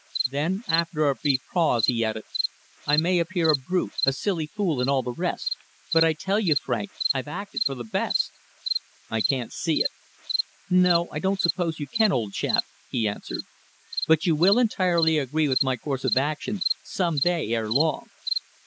Then, after a brief pause he added, "I may appear a brute, a silly fool and all the rest, but I tell you, Frank, I've acted for the best." "I can't see it." "No, I don't suppose you can, old chap," he answered. "But you will entirely agree with my course of action some day ere long."